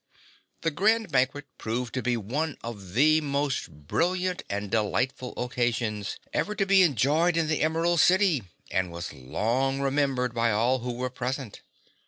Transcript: The Grand Banquet proved to be one of the most brilliant and delightful occasions ever to be enjoyed in the Emerald City, and was long remembered by all who were present.